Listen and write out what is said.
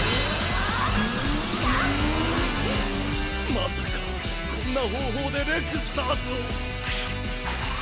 まさかこんな方法でレクスターズを。